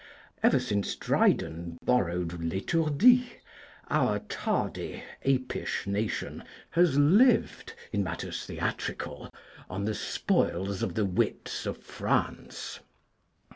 Ever since Dryden borrowed 'L'Etourdi,' our tardy apish nation has lived (in matters theatrical) on the spoils of the wits of France.